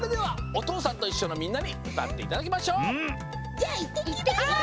じゃあいってきます。